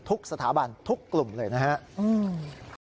สถาบันทุกกลุ่มเลยนะครับ